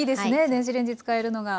電子レンジ使えるのが。